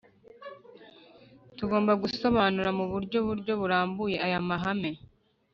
Tugomba gusobanura mu buryo buryo burambuye aya mahame